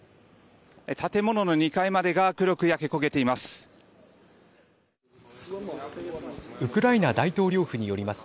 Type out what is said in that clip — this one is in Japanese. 建物の２階までが黒く焼け焦げています。